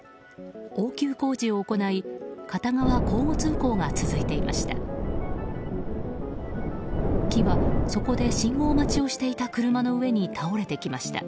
応急工事を行い片側交互通行が続いていました。